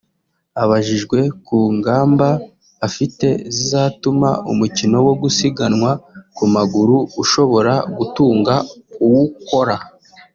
Abajijwe ku ngamba afite zizatuma umukino wo gusiganwa ku maguru ushobora gutunga uwukora